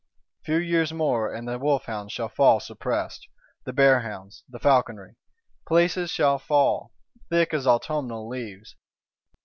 Few years more and the Wolf hounds shall fall suppressed, the Bear hounds, the Falconry; places shall fall, thick as autumnal leaves.